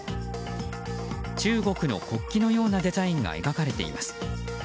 中国の国旗のようなデザインが描かれています。